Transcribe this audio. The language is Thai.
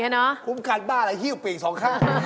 มีคุ้มกันบ้าแหละด้ั้งต่อไปอีก๒ข้าง